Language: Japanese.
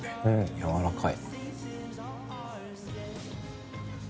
やわらかい。